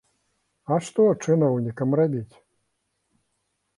А што чыноўнікам рабіць?